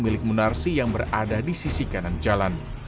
milik munarsi yang berada di sisi kanan jalan